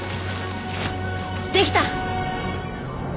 できた！